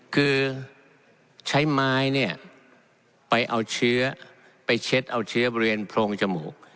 คือใช้ไม้เนี่ยไปเอาเชื้อไปเช็ดเอาเชื้อบริเวณโพรงจมูก